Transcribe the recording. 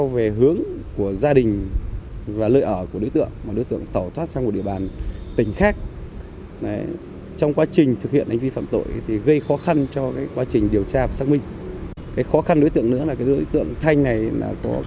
về tội lạm dụng tín nhiệm chiếm đoạt tài sản